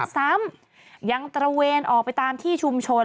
ซ้ำยังตระเวนออกไปตามที่ชุมชน